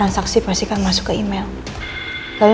wah bila kita di sini sekarang holy moisture